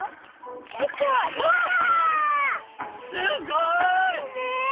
すごい！ねえ！